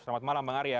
selamat malam bang arya